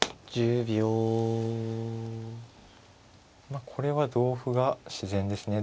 まあこれは同歩が自然ですね。